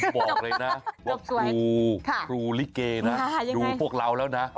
ผมบอกเลยว่ากูลิเกดูพวกเราแล้วนะ